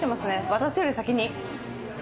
私より先に。